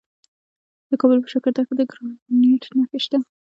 د کابل په شکردره کې د ګرانیټ نښې شته.